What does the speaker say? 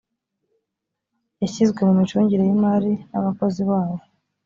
yashyizwe mu micungire y’imari n’abakozi bawo